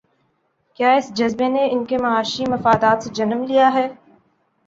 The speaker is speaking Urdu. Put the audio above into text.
کیا اس جذبے نے ان کے معاشی مفادات سے جنم لیا ہے؟